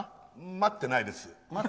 待ってないです。